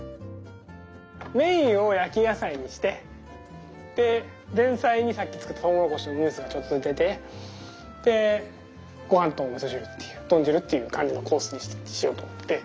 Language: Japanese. メインを焼き野菜にしてで前菜にさっき作ったとうもろこしのムースがちょっと出てでごはんとおみそ汁っていう豚汁っていう感じのコースにしようと思って。